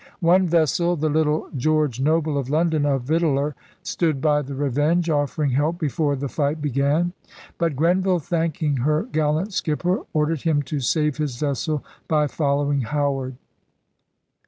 One vessel, the little George Noble of London, a victualler, stood by the Revenge, offering help before the fight began. But Grenville, thanking her gallant skipper, or dered him to save his vessel by following Howard.